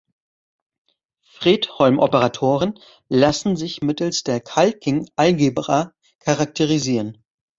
Fredholm-Operatoren lassen sich mittels der Calkin-Algebra charakterisieren.